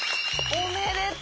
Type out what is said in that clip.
おめでとう！